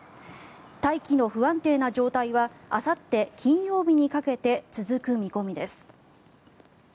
大気の不安定な状態はあさって金曜日にかけて続く見込みです。